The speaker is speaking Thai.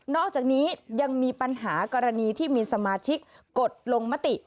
อกจากนี้ยังมีปัญหากรณีที่มีสมาชิกกดลงมติ